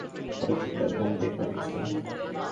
পরিচিত একজন বিয়ে করছে।